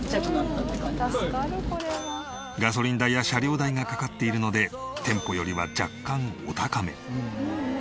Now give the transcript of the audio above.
ガソリン代や車両代がかかっているので店舗よりは若干お高め。